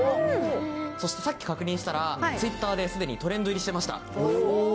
そしてさっき確認したら、ツイッターですでにトレンド入りしてました。